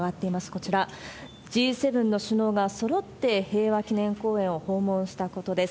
こちら、Ｇ７の首脳がそろって平和記念公園を訪問したことです。